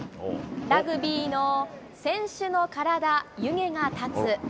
ラグビーの選手の体湯気が立つ。